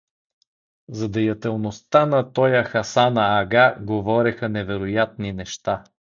За деятелността на тоя Хасана ага говореха невероятни неща.